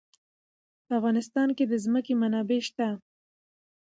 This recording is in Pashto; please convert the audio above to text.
په افغانستان کې د ځمکه منابع شته.